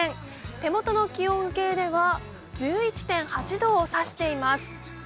手元の気温計では１１．８度を指しています。